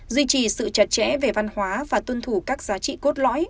duy trì sự chặt chẽ về văn hóa và tuân thủ các giá trị cốt lõi